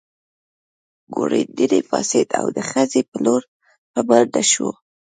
ګوردیني پاڅېد او د خزې په لور په منډه شو.